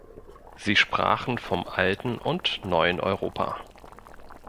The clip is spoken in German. Sie sprachen vom Alten und Neuen Europa.